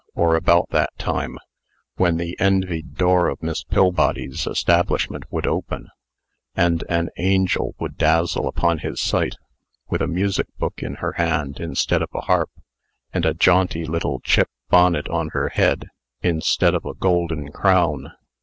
or about that time, when the envied door of Miss Pillbody's establishment would open, and an angel would dazzle upon his sight, with a music book in her hand instead of a harp, and a jaunty little chip bonnet on her head instead of a golden crown.